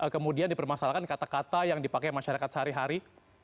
kemudian dipermasalahkan kata kata yang dipakai masyarakat sehari hari